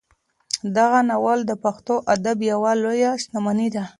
دغه ناول د پښتو ادب یوه لویه شتمني ده.